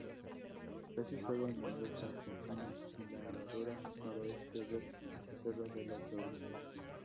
Está situado en Mendoza, Argentina, en la ladera noroeste del Cerro de la Gloria.